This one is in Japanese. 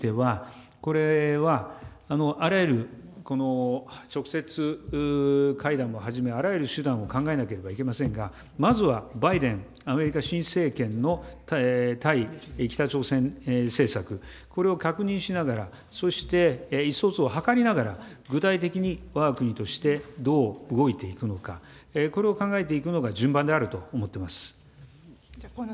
拉致問題については、これは、あらゆる直接会談もはじめ、あらゆる手段を考えなければいけませんが、まずはバイデンアメリカ新政権の対北朝鮮政策、これを確認しながら、そして意思疎通を図りながら、具体的にわが国として、どう動いていくのか、これを考えていくのが順番であると思っています。